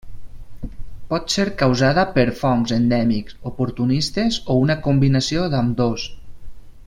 Pot ser causada per fongs endèmics, oportunistes, o una combinació d'ambdós.